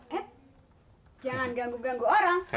jangan ganggu ganggu orang